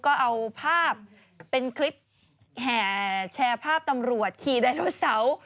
ก็เอาภาพเป็นคลิปแห่แชร์ภาพตำรวจขี่ไดโนเสาร์